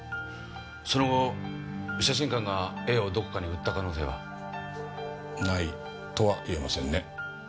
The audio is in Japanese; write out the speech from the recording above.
その後写真館が絵をどこかに売った可能性は？ないとは言えませんね。